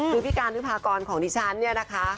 คือพี่การวิพากรของดิฉันเนี่ยนะคะ